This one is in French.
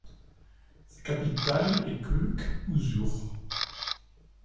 Sa capitale est Khökh-Üzuur.